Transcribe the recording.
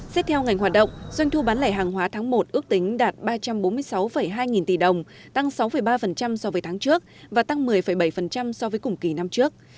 xét theo ngành hoạt động doanh thu bán lẻ hàng hóa tháng một ước tính đạt ba trăm bốn mươi sáu hai nghìn tỷ đồng tăng sáu ba so với tháng trước và tăng một mươi bảy so với cùng kỳ năm trước